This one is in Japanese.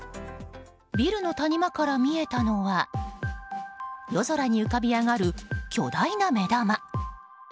ビルの谷間から見えたのは夜空に浮かび上がる巨大な目玉。